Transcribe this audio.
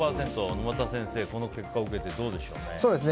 沼田先生、この結果を受けてどうでしょうね？